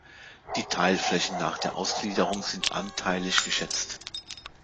Die Teilflächen nach der Ausgliederung sind anteilig geschätzt.